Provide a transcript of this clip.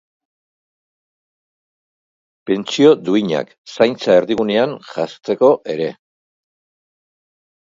Epaitegi horren iritzian, prozesuan ez zen lege-urraketarik izan.